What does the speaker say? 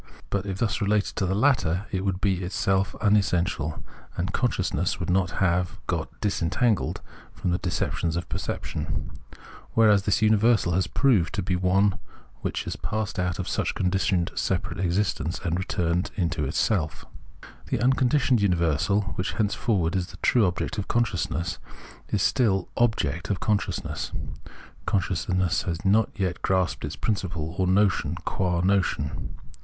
But if thus related to the latter, it would be itself unessential, and consciousness would not have got disentangled from the deceptions of perception ; whereas this universal has proved to be one which has passed out of such conditioned separate existence and returned into itself. This unconditioned universal, which henceforward is the true object of consciousness, is still object of consciousness ; consciousness has not yet grasped its principle, or notion, qua notion.